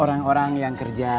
orang orang yang bekerja di sini